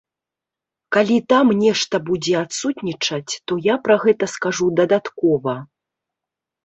Калі там нешта будзе адсутнічаць, то я пра гэта скажу дадаткова.